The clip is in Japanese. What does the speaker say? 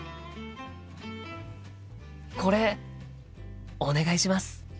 これお願いします。